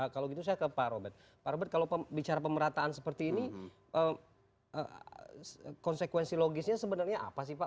kalau gitu saya ke pak robert pak robert kalau bicara pemerataan seperti ini konsekuensi logisnya sebenarnya apa sih pak